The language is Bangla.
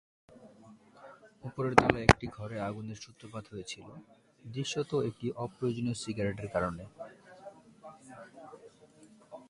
উপরের তলার একটি ঘরে আগুনের সূত্রপাত হয়েছিল, দৃশ্যত একটি অপ্রয়োজনীয় সিগারেটের কারণে।